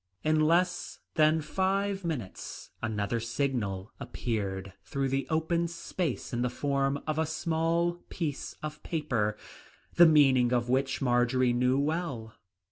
In less than five minutes another signal appeared through the open space in the form of a small piece of paper, the meaning of which Marjory knew well.